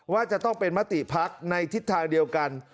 ว่าจะต้องเป็นมติพักในทิศทางเดียวกัน